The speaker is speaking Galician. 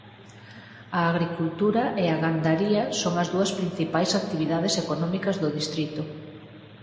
A agricultura e a gandaría son as dúas principais actividades económicas do distrito.